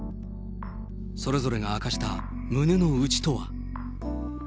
それぞれが明かした胸の内とは。